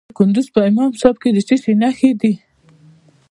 د کندز په امام صاحب کې د څه شي نښې دي؟